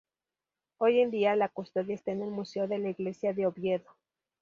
Hoy en día, la custodia está en el Museo de la Iglesia de Oviedo.